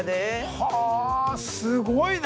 はあすごいな。